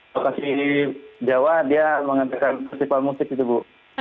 lokasi jawa dia mengantarkan festival musik itu bu